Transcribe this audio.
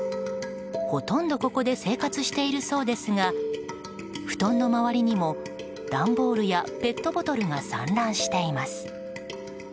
ほとんどここで生活しているそうですが布団の周りにも段ボールやペットボトルが散乱しています。